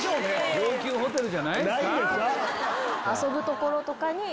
高級ホテルじゃないんですか？